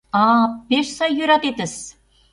А-а, пеш сай йӧратетыс!